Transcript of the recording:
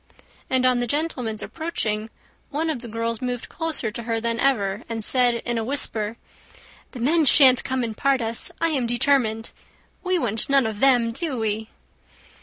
And on the gentlemen's approaching, one of the girls moved closer to her than ever, and said, in a whisper, "The men shan't come and part us, I am determined. We want none of them; do we?"